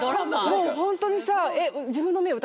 もうホントにさ。